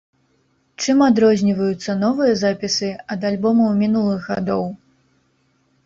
Чым адрозніваюцца новыя запісы ад альбомаў мінулых гадоў?